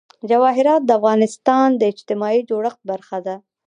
جواهرات د افغانستان د اجتماعي جوړښت برخه ده.